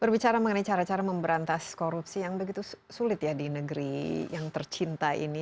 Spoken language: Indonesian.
berbicara mengenai cara cara memberantas korupsi yang begitu sulit ya di negeri yang tercinta ini